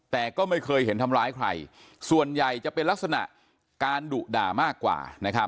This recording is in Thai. แต่ก็ไม่เคยเห็นทำร้ายใครส่วนใหญ่จะเป็นลักษณะการดุด่ามากกว่า